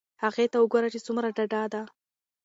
هغې ته وگوره چې څومره ډاډه ده.